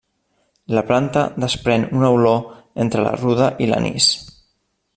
La planta desprèn una olor entre la ruda i l'anís.